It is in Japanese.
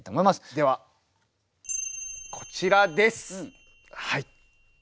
ではこちらです。